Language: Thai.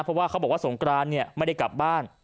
เพราะว่าเขาบอกว่าสงกรานเนี่ยไม่ได้กลับบ้าน